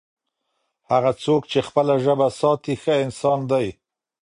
هغه څوک چي خپله ژبه ساتي، ښه انسان دی.